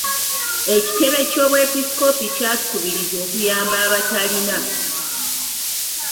Ekitebe ky'obwebisikoopi kyatukubiriza okuyamba abatalina.